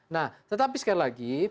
nah tetapi sekali lagi